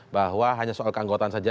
bahwa hanya soal keanggotaan saja